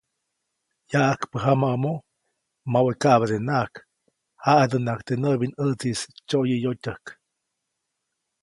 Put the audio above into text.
Yaʼajkpä jamaʼomo, mawe kaʼbadenaʼajk, jaʼidänaʼajk teʼ näʼbinʼätsiʼis tsyoyäyotyäjk.